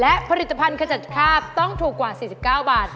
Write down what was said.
และผลิตภัณฑ์ขจัดคาบต้องถูกกว่า๔๙บาท